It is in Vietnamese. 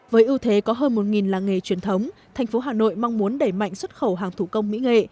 với ưu thế có hơn một làng nghề truyền thống thành phố hà nội mong muốn đẩy mạnh xuất khẩu hàng thủ công mỹ nghệ